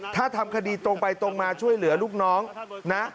ถ้าทำคดีตรงไปตรงมาช่วยเหลือลูกน้องนะ